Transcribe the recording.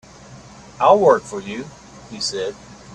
"I'll work for you," he said.